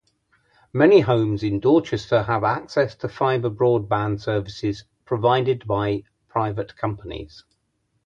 Many homes in Dorchester have access to fibre broadband services provided by private companies.